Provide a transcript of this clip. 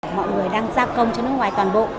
mọi người đang gia công cho nước ngoài toàn bộ